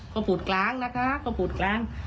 เขาปูดกลางนะคะเขาปูดกลาง